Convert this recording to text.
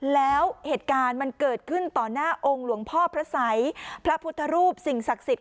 แล้วเหตุการณ์มันเกิดขึ้นต่อหน้าองค์หลวงพ่อพระสัยพระพุทธรูปสิ่งศักดิ์สิทธิ